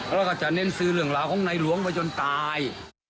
แล้วก็จะเน้นซื้อเรื่องราวของในหลวงไปจนตาย